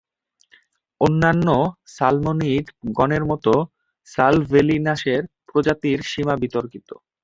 অন্যান্য সালমোনিড গণের মত, "সালভেলিনাসের" প্রজাতির সীমা বিতর্কিত।